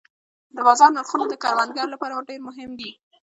د بازار نرخونه د کروندګر لپاره ډېر مهم دي.